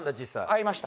会いました。